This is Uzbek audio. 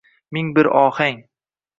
Ming bir ohang